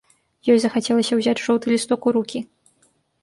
Ёй захацелася ўзяць жоўты лісток у рукі.